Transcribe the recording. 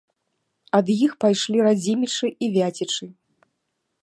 Ад іх пайшлі радзімічы і вяцічы.